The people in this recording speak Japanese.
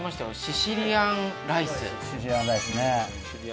シシリアンライスね。